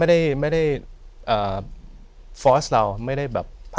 เพราะว่าโฟสเราไม่ได้แบบ